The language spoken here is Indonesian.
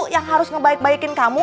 yang harus ngebaik baikin kamu